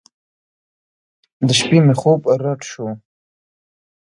د شپې مې خوب رډ سو.